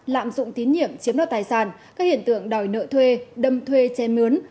lạm dụng tín nhiệm chiếm đoạt tài sản các hiện tượng đòi nợ thuê đâm thuê che mướn